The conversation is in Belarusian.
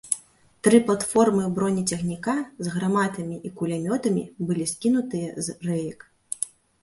Тры платформы бронецягніка, з гарматамі і кулямётамі, былі скінутыя з рэек.